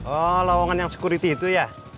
oh lawangan yang security itu ya